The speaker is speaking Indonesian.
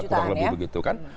kurang lebih begitu kan